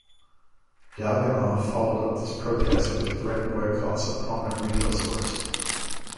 Galganov followed up this protest with threatened boycotts of prominent retail stores.